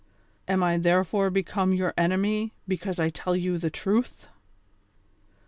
''Am J therefore become your enemy, because J tell you the truth?